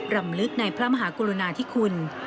รำลึกในพระมหากรุณาธิคุณ